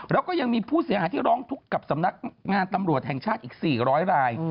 แล้วก็ยังมีผู้เสียหายที่ร้องทุกข์กับสำนักงานตำรวจแห่งชาติอีก๔๐๐ราย